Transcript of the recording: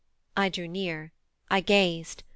I drew near; I gazed.